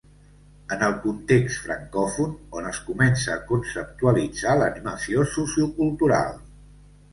En el context francòfon on es comença a conceptualitzar l'animació sociocultural.